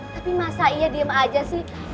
tapi masa iya diem aja sih